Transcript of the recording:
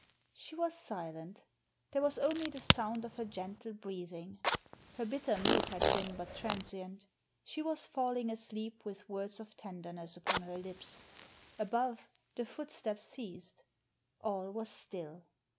She was silent There was only the sound of her gentle breathing. Her bitter mood had been but transient She was falling asleep with words of tenderness upon her lips. Above, the footsteps ceased. All was still.